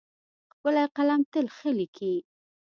ښکلی قلم تل ښه لیکي.